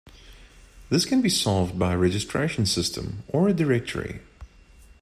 This can be solved by a registration system or a 'directory'.